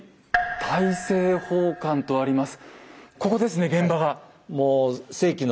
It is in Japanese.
「大政奉還」とあります。